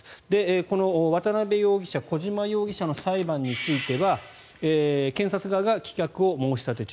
この渡邉容疑者、小島容疑者の裁判については検察側が棄却を申し立て中。